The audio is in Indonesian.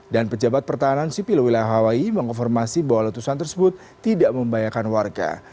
dan pejabat pertahanan sipil wilayah hawaii mengonformasi bahwa letusan tersebut tidak membayarkan warga